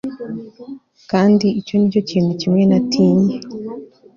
kandi icyo ni ikintu kimwe natinye